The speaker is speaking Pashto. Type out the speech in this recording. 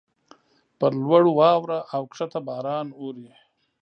پر لوړو واوره اوکښته باران اوري.